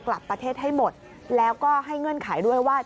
กลับประเทศให้หมดแล้วก็ให้เงื่อนไขด้วยว่า